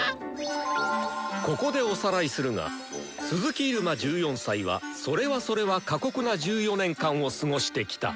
ここでおさらいするが鈴木入間１４歳はそれはそれは過酷な１４年間を過ごしてきた。